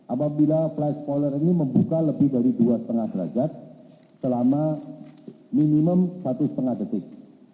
apabila flight spoiler ini membuka lebih dari dua lima derajat selama minimum satu lima detik